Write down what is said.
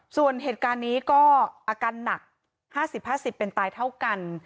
ส่วนเหตุการณ์นี้ก็อาการหนัก๕๐๕๐เป็นตายเท่ากัน